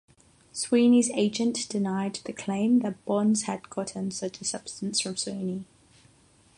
Sweeney's agent denied the claim that Bonds had gotten such a substance from Sweeney.